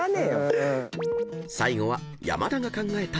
［最後は］